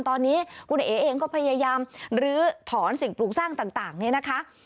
ตอนนี้คุณเอ๋เองก็พยายามลื้อถอนสิ่งปลูกสร้างต่างเนี่ยนะคะ